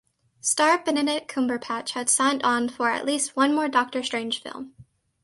Star Benedict Cumberbatch had signed on for at least one more Doctor Strange film.